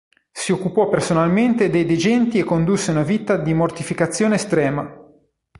Si occupò personalmente dei degenti e condusse una vita di mortificazione estrema.